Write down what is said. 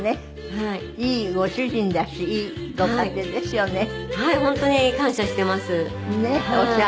いいご主人だしいいご家庭ですよね。